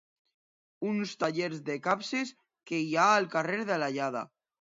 Uns tallers de capses que hi ha al carrer de l'Allada.